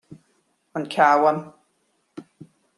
An Cabhán